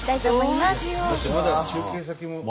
まだ中継先も。